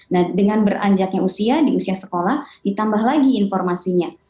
nah dengan beranjaknya usia di usia sekolah ditambah lagi informasinya